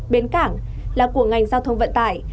bến cảng là của ngành giao thông vận tải